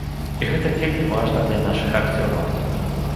І гэта вельмі важна для нашых акцёраў.